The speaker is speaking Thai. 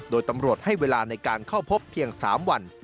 โดยตำรวจให้เวลาในการเข้าพบเพียง๓วัน